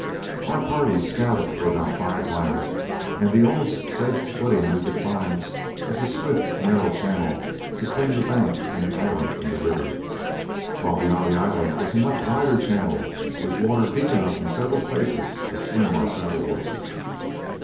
Our party scouted for about five miles, and the only safe footing we could find was a swift, narrow channel between the bank and an island in the river, while beyond the island was a much wider channel with water deep enough in several places to swim our saddle horses.